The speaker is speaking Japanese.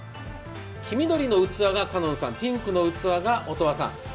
黄緑の器が翔音さん、ピンクの器が音羽さん。